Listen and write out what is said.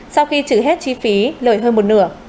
sau khi trừ hết chi phí lợi hơn một nửa